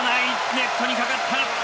ネットにかかった。